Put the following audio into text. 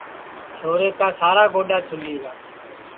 چھورا کا سارا گوڈؔا چُھولی گا